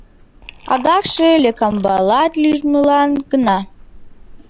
Адакше лӧкамбалат лӱмжылан гына.